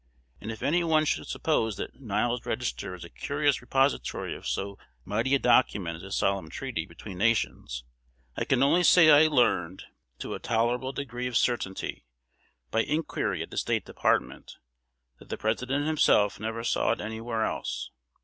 And if any one should suppose that "Niles's Register" is a curious repository of so mighty a document as a solemn treaty between nations, I can only say that I learned, to a tolerable degree of certainty, by inquiry at the State Department, that the President himself never saw it anywhere else.